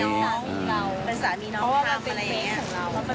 เหมือนกันคือเรามีนี่มีแฟนมีสามีเนี่ยค่ะ